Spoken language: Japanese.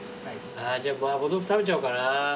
じゃあ麻婆豆腐食べちゃおっかな。